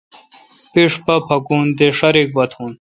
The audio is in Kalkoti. پِِݭ پا پھکون تے ݭا ریک پا تھون۔